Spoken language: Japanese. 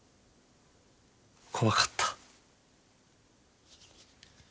怖かった。